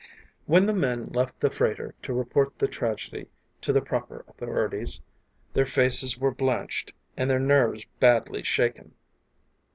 When the men left the freighter to report the tragedy to the proper authorities, their faces were blanched, and their nerves badly shaken.